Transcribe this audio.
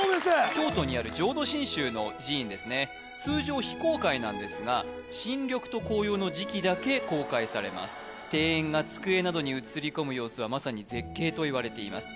京都にある浄土真宗の寺院ですね通常非公開なんですが新緑と紅葉の時期だけ公開されます庭園が机などに映り込む様子はまさに絶景といわれています